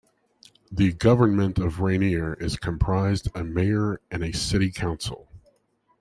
The government of Rainier is comprised a mayor and a city council.